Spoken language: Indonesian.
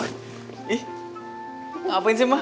ih ngapain sih ma